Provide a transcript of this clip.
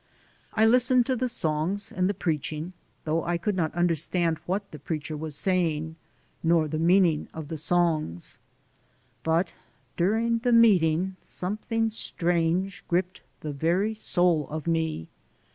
I listened to the songs and the preaching, though I could not under stand what the preacher was saying, nor the mean ing of the songs. But during the meeting something strange gripped the very soul of me.